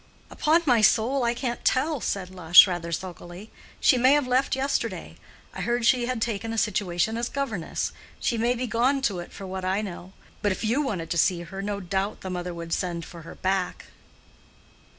"Upon my soul, I can't tell," said Lush, rather sulkily. "She may have left yesterday. I heard she had taken a situation as governess; she may be gone to it for what I know. But if you wanted to see her no doubt the mother would send for her back."